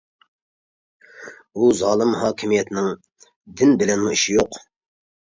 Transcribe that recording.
ئۇ زالىم ھاكىمىيەتنىڭ دىن بىلەنمۇ ئىشى يوق.